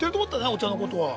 お茶のこと。